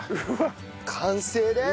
完成です！